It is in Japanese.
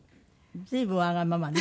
随分わがままね。